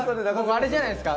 あれじゃないですか。